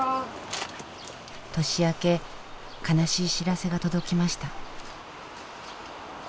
年明け悲しい知らせが届きました。